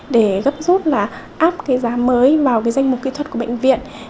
để gấp rút áp giá mới vào danh mục kỹ thuật của bệnh viện